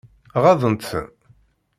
Ɣaḍent-ten?